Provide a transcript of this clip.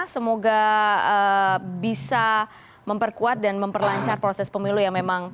semoga bisa memperkuat dan memperlancar proses pemilu yang memang